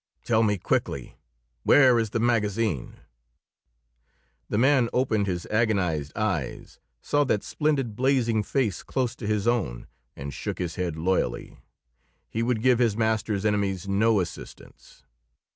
"Tell me quickly where is the magazine?" The man opened his agonized eyes, saw that splendid blazing face close to his own, and shook his head loyally. He would give his master's enemies no assistance.